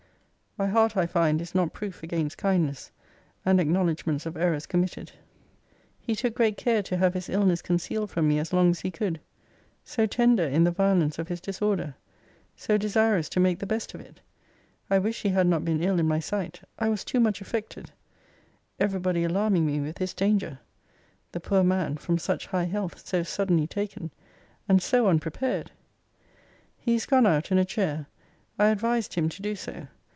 My heart, I find, is not proof against kindness, and acknowledgements of errors committed. He took great care to have his illness concealed from me as long as he could. So tender in the violence of his disorder! So desirous to make the best of it! I wish he had not been ill in my sight. I was too much affected every body alarming me with his danger. The poor man, from such high health, so suddenly taken! and so unprepared! He is gone out in a chair. I advised him to do so.